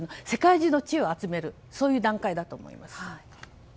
世界中の知恵を集めるそういう段階だと思います。